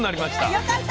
よかった。